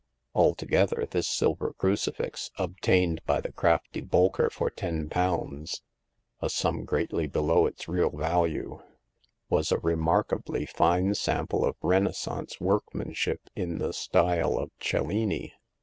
Altogether, this silver crucifix, obtained by the crafty Bolker for ten pounds — a sum greatly below its real value — was a remarkably fine sample of Renaissance workmanship in the style of Cellini.